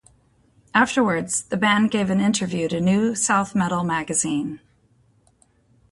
Afterwards, the band gave an interview to New South Metal Magazine.